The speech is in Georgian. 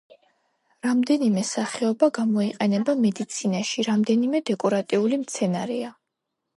რამდენიმე სახეობა გამოიყენება მედიცინაში, რამდენიმე დეკორატიული მცენარეა.